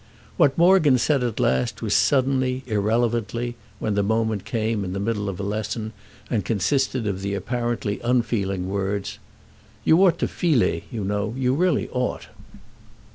What Morgan said at last was said suddenly, irrelevantly, when the moment came, in the middle of a lesson, and consisted of the apparently unfeeling words: "You ought to filer, you know—you really ought."